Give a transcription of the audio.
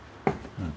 うん。